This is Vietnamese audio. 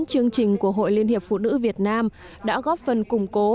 chương trình của hội liên hiệp phụ nữ việt nam đã góp phần củng cố